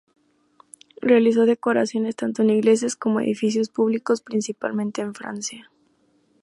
Realizó decoraciones, tanto en iglesias como edificios públicos, principalmente en Francia.